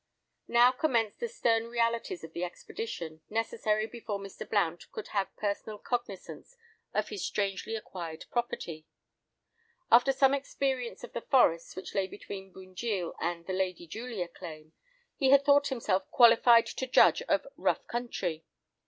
Now commenced the stern realities of the expedition, necessary before Mr. Blount could have personal cognisance of his strangely acquired property. After some experience of the forests which lay between Bunjil and the "Lady Julia" claim, he had thought himself qualified to judge of "rough country."